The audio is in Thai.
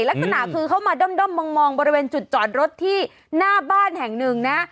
ลักษณะคือเขามาด้อมมองบริเวณจุดจอดรถที่หน้าบ้านแห่งหนึ่งนะ